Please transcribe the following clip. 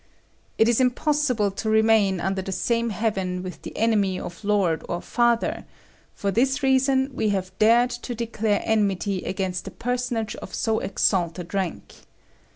It is impossible to remain under the same heaven with the enemy of lord or father; for this reason we have dared to declare enmity against a personage of so exalted rank.